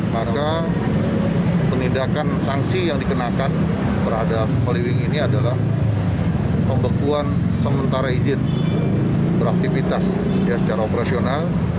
maka penindakan sanksi yang dikenakan terhadap holy wing ini adalah pembekuan sementara izin beraktivitas secara operasional